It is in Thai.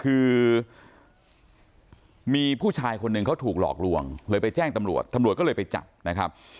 คือมีผู้ชายคนหนึ่งเขาถูกหลอกลวงเลยไปแจ้งตำรวจตำรวจก็เลยไปจับนะครับ